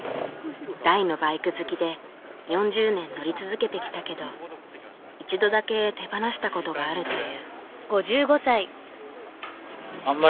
大のバイク好きで４０年乗り続けてきたけど一度だけ手放したことがあるという。